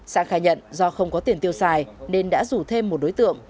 sang khai nhận do không có tiền tiêu xài nên đã rủ thêm một đối tượng